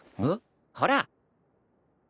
ほら！